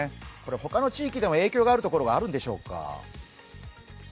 他の地域でも影響がある所があるんでしょうか。